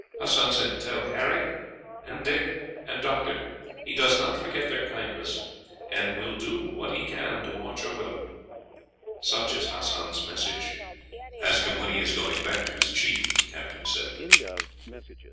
Hassan said tell Harry, and Dick, and Doctor he does not forget their kindness, and will do what he can to watch over them. Such is Hassan's message." "Ask him when he is going back to his chief," the captain said.